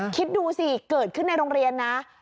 คิดดูสิเกิดขึ้นในโรงเรียนนะ